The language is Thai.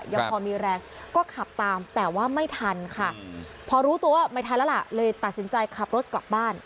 ยังพอมีแรงก็ขับตามแต่ว่าไม่ทันค่ะพอรู้ตัวว่าไม่ทันแล้วล่ะเลยตัดสินใจขับรถกลับบ้าน